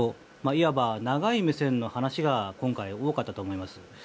いわば長い目線の話が今回、多かったと思います。